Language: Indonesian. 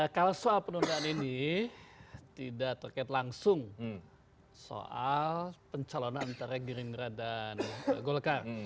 kalau soal penundaan ini tidak terkait langsung soal pencalonan antara gerindra dan golkar